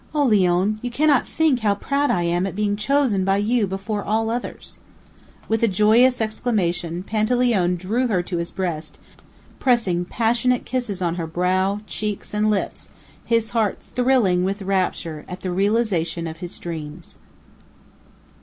Oh, Leone, you cannot think how proud I am at being chosen by you before all others!" With a joyous exclamation, Panteleone drew her to his breast, pressing passionate kisses on her brow, cheeks, and lips, his heart thrilling with rapture at the realization of his dreams.